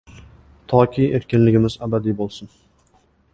Toki, erkinligimiz abadiy bo‘lsin.